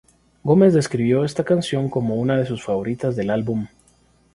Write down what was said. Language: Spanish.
Gómez describió está canción como una de sus favoritas del álbum.